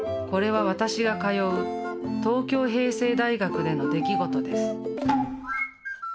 これは私が通う東京平成大学での出来事です。